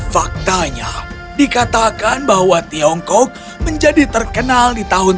faktanya dikatakan bahwa tiongkok menjadi terkenal di perusahaan